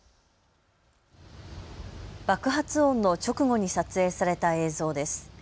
爆発音の直後に撮影された映像です。